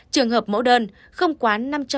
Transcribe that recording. trường hợp mẫu đơn không quá